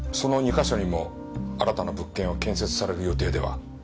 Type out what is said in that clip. か所にも新たな物件を建設される予定では？